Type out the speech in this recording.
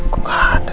kok gak ada